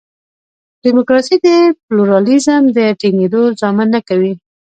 ډیموکراسي د پلورالېزم د ټینګېدو ضامن نه کوي.